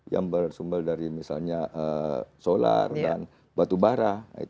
yang bersumber dari misalnya solar dan batubara